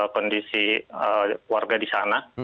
kondisi warga di sana